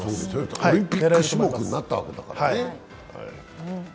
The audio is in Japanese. オリンピック種目になったわけだからね。